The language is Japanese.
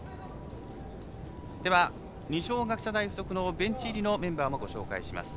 では二松学舎大付属のベンチ入りのメンバーをご紹介します。